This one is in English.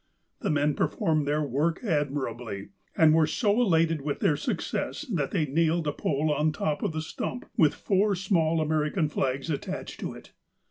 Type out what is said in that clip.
The men performed their work admirably, and were so elated with their success that they nailed a pole on the top of the stump with four small American flags attached to it.